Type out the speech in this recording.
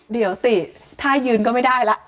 เดี๋ยวสิถ้ายืนก็ไม่ได้ละ